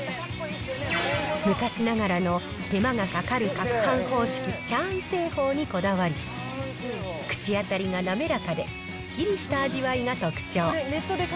昔ながらの手間がかかるかくはん方式、チャーン製法にこだわり、口当たりが滑らかですっきりした味わいが特徴。